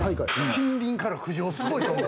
近隣から苦情すごいと思う。